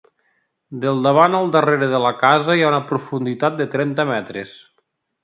Del davant al darrere de la casa hi ha una profunditat de trenta metres.